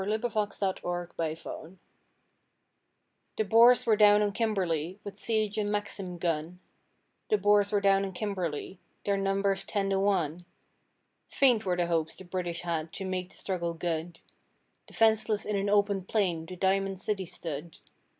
With French to Kimberley The Boers were down on Kimberley with siege and Maxim gun; The Boers were down on Kimberley, their numbers ten to one! Faint were the hopes the British had to make the struggle good, Defenceless in an open plain the Diamond City stood.